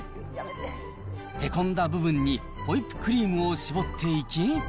へこんだ部分にホイップクリームをしぼっていき。